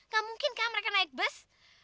gak mungkin kan mereka naik bus